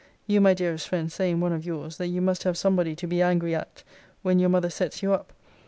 You, my dearest friend, say, in one of yours,* that you must have somebody to be angry at, when your mother sets you up.